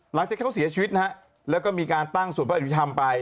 หลังจากเข้าเสียชีวิตนะครับแล้วก็มีการตั้งส่วนพระอาทิตย์ทำไป